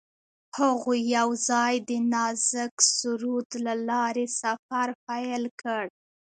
هغوی یوځای د نازک سرود له لارې سفر پیل کړ.